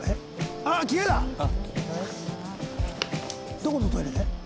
どこのトイレで？